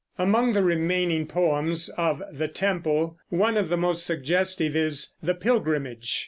Among the remaining poems of The Temple one of the most suggestive is "The Pilgrimage."